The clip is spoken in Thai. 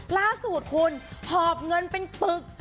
ล่าสุดคุณหอบเงินเป็นปึก